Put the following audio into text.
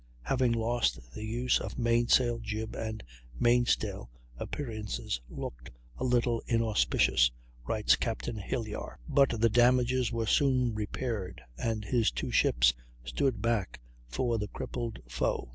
"Having lost the use of main sail, jib, and main stay, appearances looked a little inauspicious," writes Captain Hilyar. But the damages were soon repaired, and his two ships stood back for the crippled foe.